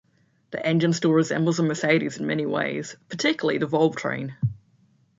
The engine still resembles a Mercedes in many ways, particularly the valve train.